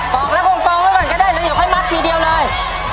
กรอกแล้วกล่องก่อนก็ได้เราอย่าค่อยมักทีเดียวเลย